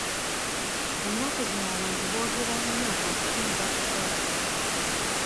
Ennaku zino abantu boogera nnyo okusinga okukola.